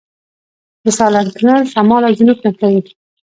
د سالنګ تونل شمال او جنوب نښلوي